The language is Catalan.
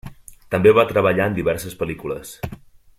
També va treballar en diverses pel·lícules.